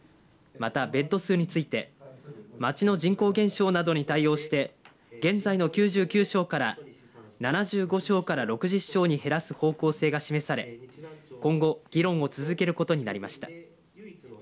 また、ベッド数について町の人口減少などに対応して現在の９９床から７５床から６０床に減らす方向性が示され今後議論を続けることになりました。